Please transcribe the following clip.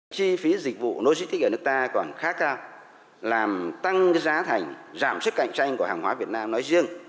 chi phí dịch vụ logistics ở nước ta còn khá cao làm tăng giá thành giảm sức cạnh tranh của hàng hóa việt nam nói riêng